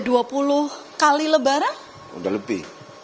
bapak kecil sejak tahun berapa